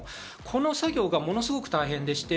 この作業がものすごく大変で。